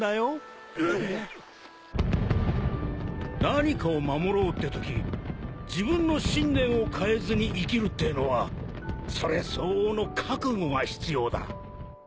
何かを守ろうってとき自分の信念を変えずに生きるってのはそれ相応の覚悟が必要だ